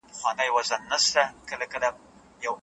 درملنه او مکملونه د خوب لپاره کارول کېږي.